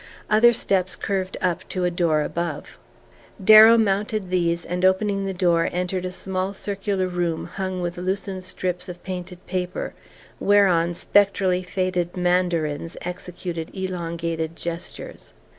Other steps curved up to a door above. Darrow mounted these, and opening the door entered a small circular room hung with loosened strips of painted paper whereon spectrally faded Mandarins executed elongated gestures.